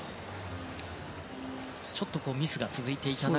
ちょっとミスが続いていた中で。